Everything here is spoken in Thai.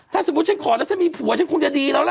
ถ้าสมมุติฉันขอแล้วฉันมีผัวฉันคงจะดีแล้วล่ะ